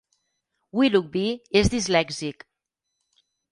Willoughby és dislèxic.